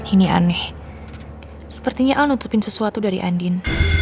ini aneh sepertinya al nutupin sesuatu dari andin